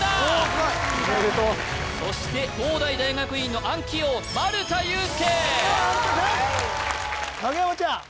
すごいそして東大大学院の暗記王丸田湧介影山ちゃん